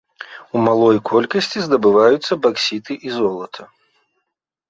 У малой колькасці здабываюцца баксіты і золата.